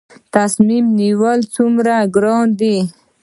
تصمیم نیول څومره ګران دي؟